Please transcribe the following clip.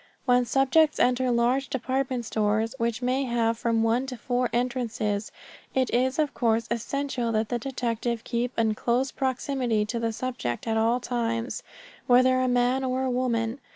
When subjects enter large department stores, which may have from one to four entrances, it is of course essential that the detective keep in close proximity to the subject at all times, whether a man or a woman.